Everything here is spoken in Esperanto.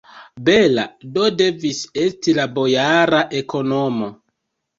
Bela do devis esti la bojara ekonomo!